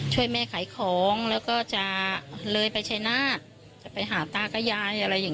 ช่วยแม่ขายของแล้วก็จะเลยไปชัยนาธจะไปหาตากับยายอะไรอย่าง